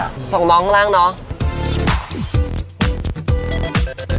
ส่งน้องข้างล่างเนาะ